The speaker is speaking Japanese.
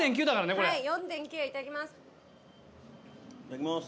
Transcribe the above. ４．９いただきます。